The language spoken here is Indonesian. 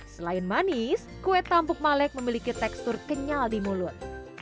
selain manis kue tambuk malek memiliki tekstur kenyal di mulut